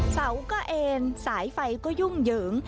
เสาก็เอ็นสายไฟก็ยุ่งเหยิง